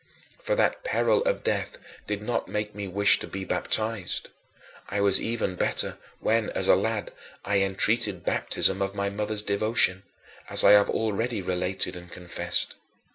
For that peril of death did not make me wish to be baptized. I was even better when, as a lad, I entreated baptism of my mother's devotion, as I have already related and confessed.